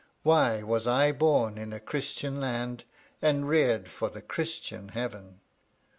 why was I bom in a Christian land and reared for the Christian Heaven?